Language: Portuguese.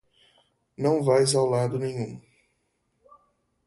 Não vais a lado nenhum!